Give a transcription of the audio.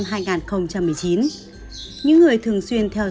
những người thường xuyên theo dõi bộ bóng đá trên thế giới